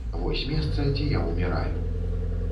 Вось месца, дзе я ўміраю.